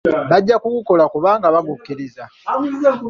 Bajja kugukola kubanga baagukkiriza.